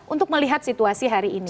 untuk melihat situasi hari ini